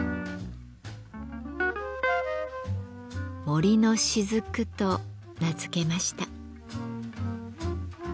「森の雫」と名付けました。